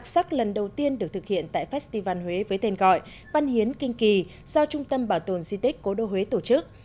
sắc lần đầu tiên được thực hiện tại festival huế với tên gọi văn hiến kinh kỳ do trung tâm bảo tồn di tích cố đô huế tổ chức